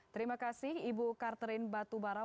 terima kasih ibu carterin batubara